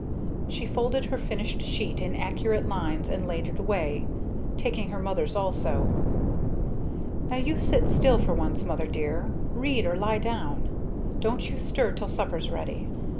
She folded her finished sheet in accurate lines and laid it away taking her mother's also. "Now you sit still for once, Mother dear, read or lie down. Don't you stir till supper's ready."